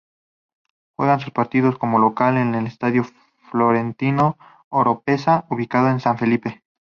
Juega sus partidos como local en el Estadio Florentino Oropeza, ubicado en San Felipe.